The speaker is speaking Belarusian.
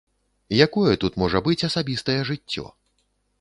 Якое тут можа быць асабістае жыццё?